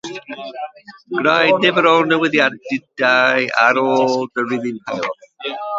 Gwnaed nifer o newidiadau ar ôl y rhifyn peilot.